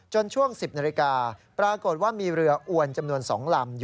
ช่วง๑๐นาฬิกาปรากฏว่ามีเรืออวนจำนวน๒ลำ